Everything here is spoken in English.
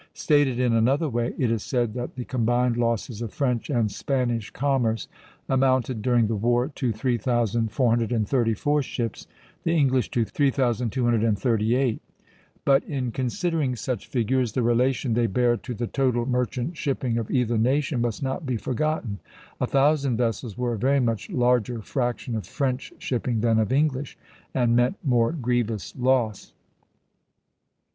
Stated in another way, it is said that the combined losses of French and Spanish commerce amounted during the war to 3,434 ships, the English to 3,238; but in considering such figures, the relation they bear to the total merchant shipping of either nation must not be forgotten. A thousand vessels were a very much larger fraction of French shipping than of English, and meant more grievous loss.